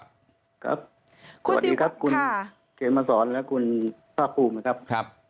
สวัสดีครับคุณเกรนมาสอนและคุณพระคุมครับ